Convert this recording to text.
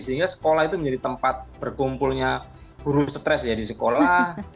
sehingga sekolah itu menjadi tempat berkumpulnya guru stres ya di sekolah